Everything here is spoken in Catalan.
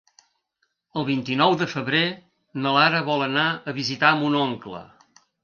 El vint-i-nou de febrer na Lara vol anar a visitar mon oncle.